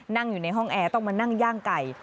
นั่งอยู่ในห้องแอร์ต้องมานั่งย่างไก่